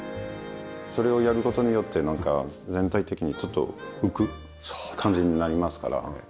それをやる事によってなんか全体的にちょっと浮く感じになりますから。